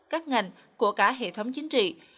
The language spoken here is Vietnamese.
các ngành của cả hệ thống chính trị